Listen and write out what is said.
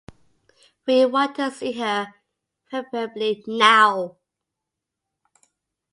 We want to see her, preferably now.